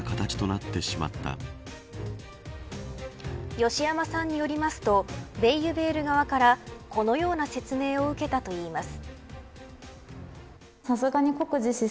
義山さんによりますとベイユヴェール側からこのような説明を受けたといいます。